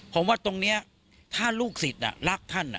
ผมว่าตรงนี้ถ้าลูกศิษย์รักท่าน